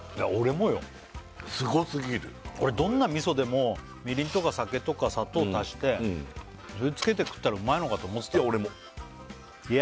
俺どんな味噌でもみりんとか酒とか砂糖足してそれつけて食ったらうまいのかと思ってたいや